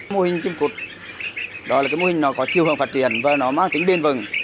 mô hình chim cụt đó là cái mô hình nó có chiêu hưởng phát triển và nó mang tính bên vừng